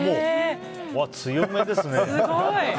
強めですね。